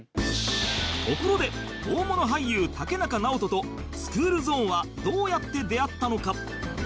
ところで大物俳優竹中直人とスクールゾーンはどうやって出会ったのか？